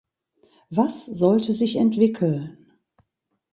Was sollte sich entwickeln?